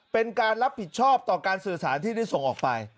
เป็นการรับผิดชอบต่อการสื่อสารที่ได้ส่งออกไป